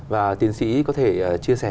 và tiến sĩ có thể